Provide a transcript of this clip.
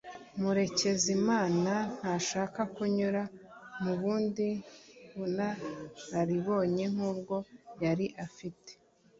Murekezimana ntashaka kunyura mu bundi bunararibonye nkubwo yari afite